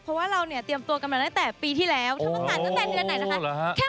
เพราะว่าเราเนี่ยเตรียมตัวกันมาตั้งแต่ปีที่แล้วเท่า